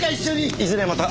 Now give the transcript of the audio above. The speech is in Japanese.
いずれまた！